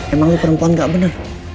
emang lu perempuan gak bener